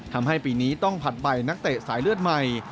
ทำให้ปีนี้ต้องผัดใบนักเตะสายเลือดใหม่